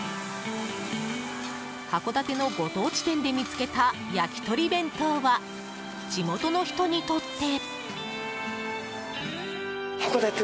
函館のご当地店で見つけたやきとり弁当は地元の人にとって。